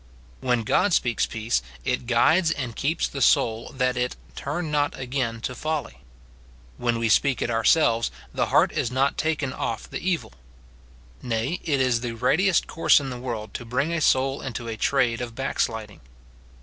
When God speaks peace, it guides and keeps the soul that it " turn not again to folly. "f When we speak it ourselves, the heart is not taken off the evil ; nay, it is the readiest course in the world to bring a soul into a trade of back sliding.